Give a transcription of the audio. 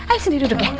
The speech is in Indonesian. ayo sini duduk ya